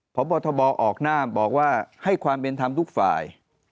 พบทบออกหน้าบอกว่าให้ความเป็นธรรมทุกฝ่าย